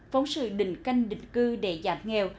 phóng sự đình canh định cư để giảm nghèo